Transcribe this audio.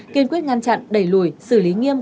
kiên quyết ngăn chặn đẩy lùi xử lý nghiêm